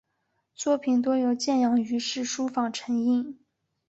作品多由建阳余氏书坊承印。